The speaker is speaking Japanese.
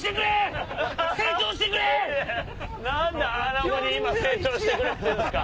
何でアナゴに今「成長してくれ」って言うんすか！